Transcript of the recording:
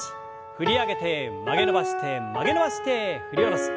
振り上げて曲げ伸ばして曲げ伸ばして振り下ろす。